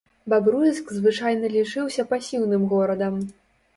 Бабруйск звычайна лічыўся пасіўным горадам.